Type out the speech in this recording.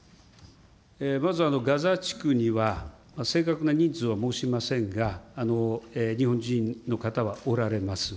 まずガザ地区には、正確な人数は申しませんが、日本人の方はおられます。